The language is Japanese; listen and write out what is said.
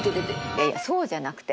いやいやそうじゃなくて。